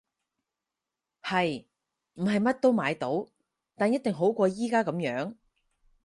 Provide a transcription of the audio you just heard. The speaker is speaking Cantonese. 係！唔係乜都買到，但一定好過而家噉樣